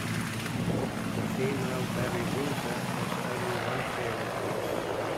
The female babirusa has only one pair of teats.